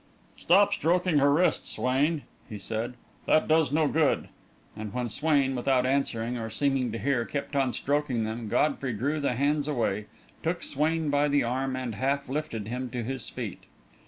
"Stop stroking her wrists, Swain," he said; "that does no good," and when Swain, without answering or seeming to hear, kept on stroking them, Godfrey drew the hands away, took Swain by the arm, and half lifted him to his feet.